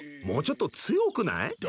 もうちょっと強くない？